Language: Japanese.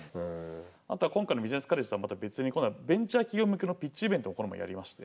あとは今回のビジネスカレッジとはまた別に今度はベンチャー企業向けのピッチイベントをこの前やりまして。